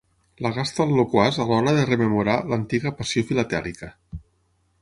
La gasta el loquaç a l'hora de rememorar l'antiga passió filatèlica.